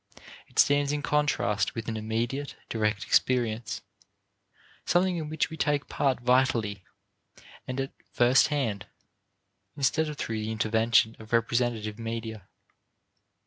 It stands in contrast with an immediate, direct experience, something in which we take part vitally and at first hand, instead of through the intervention of representative media.